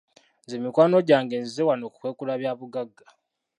Nze mikwano gyange nzize wano kukwekula bya bugagga